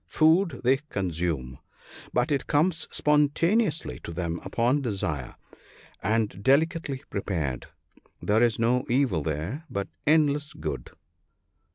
Food they consume, but it comes spontaneously to them upon desire, and delicately prepared. There is no evil there, but endless good.